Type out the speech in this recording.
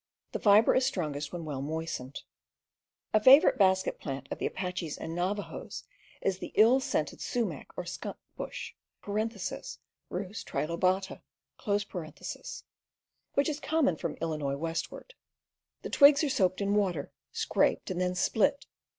The fiber is strongest when well moistened. A favorite basket plant of the Apaches and Navajos is the ill scented sumac or skunk bush (Rhus trilohata) , which is common from Illinois westward. The twigs AXEMANSHIP 273 are soaked in water, scraped, and then split.